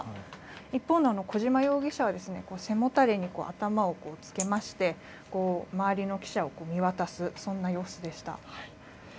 一方の小島容疑者は、背もたれに頭をつけまして、周りの記者を見渡す、そんな様子でした。